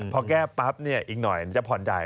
พอแก้ปั๊บเนี่ยอีกหน่อยจะผ่อนใจ